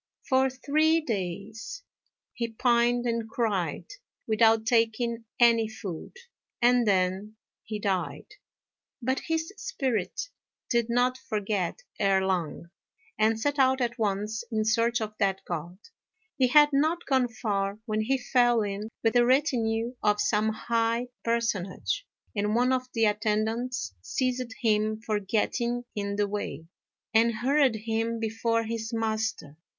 For three days he pined and cried, without taking any food, and then he died. But his spirit did not forget Erh Lang, and set out at once in search of that God. He had not gone far when he fell in with the retinue of some high personage, and one of the attendants seized him for getting in the way, and hurried him before his master.